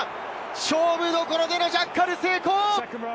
勝負どころでのジャッカル成功！